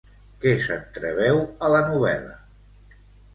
Què s'entreveu a la novel·la?